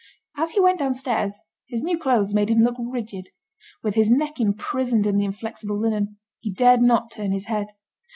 As he went downstairs his new clothes made him look rigid. With his neck imprisoned in the inflexible linen, he dared not turn his head.